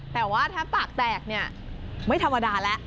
แต่ว่าถ้าปากแตกเนี่ยไม่ธรรมดาแล้ว